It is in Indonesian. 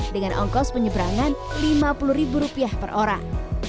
dengan ongkos penyeberangan lima puluh ribu rupiah per orang